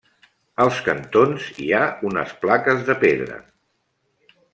Als cantons hi ha unes plaques de pedra.